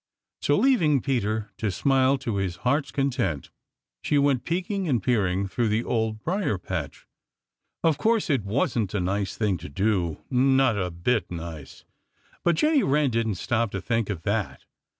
So leaving Peter to smile to his heart's content, she went peeking and peering through the Old Briar patch. Of course it wasn't a nice thing to do, not a bit nice. But Jenny Wren didn't stop to think of that.